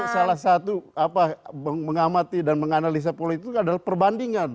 salah satu mengamati dan menganalisa pola itu adalah perbandingan